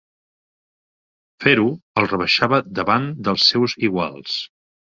Fer-ho el rebaixava davant dels seus iguals.